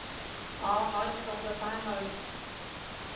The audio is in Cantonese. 我可以送佢返去